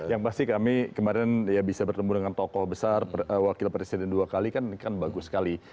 yang pasti kami kemarin bisa bertemu dengan tokoh besar wakil presiden dua kali kan bagus sekali